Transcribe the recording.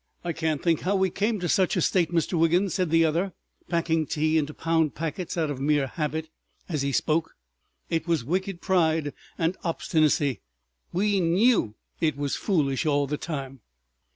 "I can't think how we came to such a state, Mr. Wiggins," said the other, packing tea into pound packets out of mere habit as he spoke. "It was wicked pride and obstinacy. We knew it was foolish all the time."